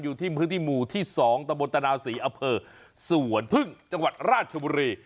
อยู่ที่พื้นที่หมู่ที่๒ตะบนตนาวศรีอเภอสวนพึ่งจังหวัดราชบุรี